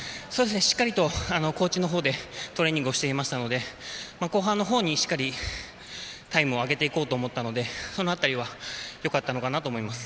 しっかりと高地のほうでトレーニングをしていましたので後半のほうに、しっかりタイムを上げていこうと思ったのでその辺りはよかったのかなと思います。